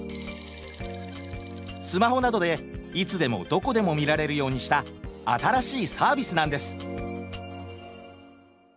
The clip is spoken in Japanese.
スマホなどでいつでもどこでも見られるようにした新しいサービスなんです。